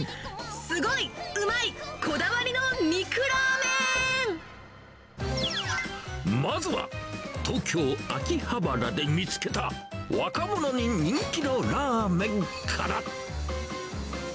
すごい、うまい、こだわりのまずは、東京・秋葉原で見つけた、若者に人気のラーメンから。